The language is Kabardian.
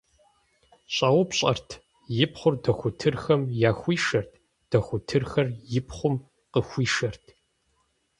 Щӏэупщӏэрт, и пхъур дохутырхэм яхуишэрт, дохутырхэр и пхъум къыхуишэрт.